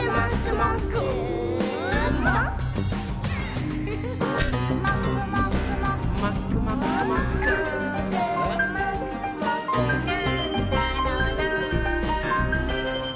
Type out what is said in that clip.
「もーくもくもくなんだろなぁ」